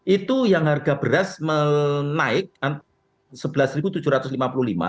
itu yang harga beras menaik rp sebelas tujuh ratus lima puluh lima